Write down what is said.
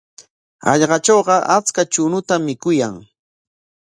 Hallqatrawqa achka chuñutam mikuyan.